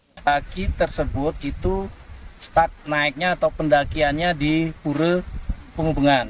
pendaki tersebut itu start naiknya atau pendakiannya di pura penghubungan